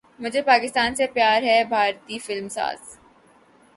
مجھے پاکستان سے پیار ہے بھارتی فلم ساز